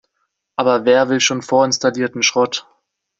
Aber wer will schon vorinstallierten Schrott?